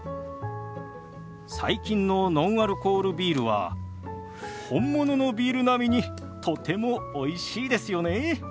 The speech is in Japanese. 最近のノンアルコールビールは本物のビール並みにとてもおいしいですよね。